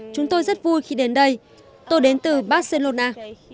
chúng tôi rất vui khi đến đây tôi đến từ barcelona